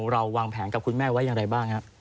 วางแผนกับคุณแม่ไว้อย่างไรบ้างครับ